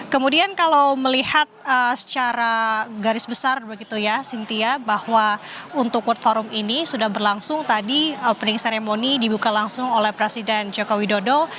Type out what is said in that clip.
kemudian kalau melihat secara garis besar begitu ya cynthia bahwa untuk world forum ini sudah berlangsung tadi opening ceremony dibuka langsung oleh presiden joko widodo